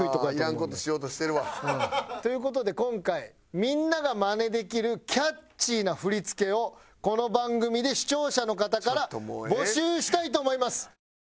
いらん事しようとしてるわ。という事で今回みんながマネできるキャッチーな振り付けをこの番組で視聴者の方から募集したいと思います！